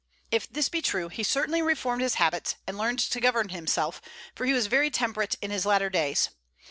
If this be true, he certainly reformed his habits, and learned to govern himself, for he was very temperate in his latter days.